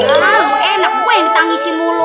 ah lu enak gue yang ditangisin mulu